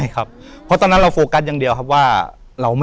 คือเต๋อใช่ไหม